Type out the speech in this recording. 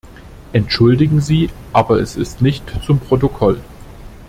Entschuldigen Sie, aber es ist nicht zum Protokoll.